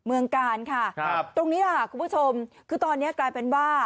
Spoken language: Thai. เมืองกาลค่ะครับตรงนี้ค่ะคุณผู้ชมคือตอนนี้กลายเป็นว่า